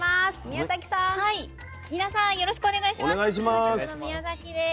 よろしくお願いします。